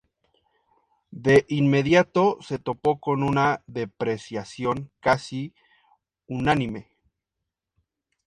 De inmediato se topó con una ""depreciación casi unánime"".